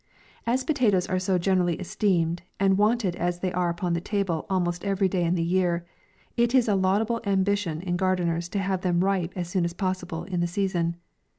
As potatoes are so generally esteemed, and wanted as they are upon the table almost every day in the year, it is a laudable ambi tion in gardeners to have them ripe as soon as possible in the season.